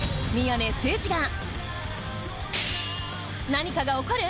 何かが起こる！？